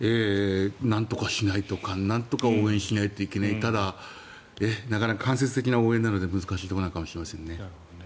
なんとかしないといけない何とか応援しないといけないただ、なかなか間接的な応援なので難しいところなのかもしれないですね。